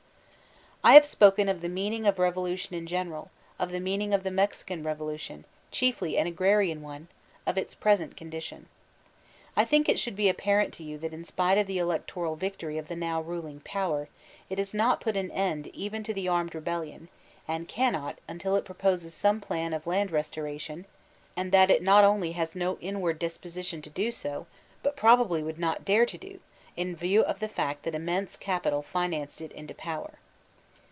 I have spoken of the meaning of revolution in general ; of the meaning of the Mexican revolution — chiefly an agrarian one ; of its present condition. I think it should be apparent to you that in spite of the electoral victory of the now ruling power, it has not put an end even to the armed rebellion, and cannot, until it proposes some plan of land restoration; and that it not only has no inward disposition to do, but probably would not dare to do, in view of the fact that immense capital financed it into power.